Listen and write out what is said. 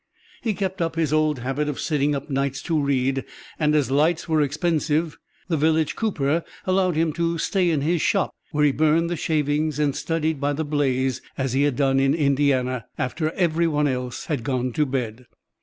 He kept up his old habit of sitting up nights to read, and as lights were expensive, the village cooper allowed him to stay in his shop, where he burned the shavings and studied by the blaze as he had done in Indiana, after every one else had gone to bed.